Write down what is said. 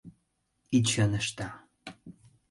И чын ышта!